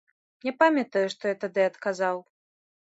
Не памятаю, што я тады адказаў.